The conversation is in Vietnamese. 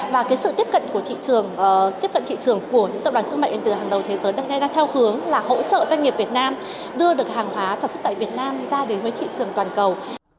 và sự tiếp cận thị trường của tập đoàn thương mại điện tử hàng đầu thế giới đang theo hướng là hỗ trợ doanh nghiệp việt nam đưa được hàng hóa sản xuất tại việt nam ra đến với thị trường toàn cầu